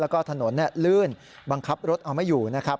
แล้วก็ถนนลื่นบังคับรถเอาไม่อยู่นะครับ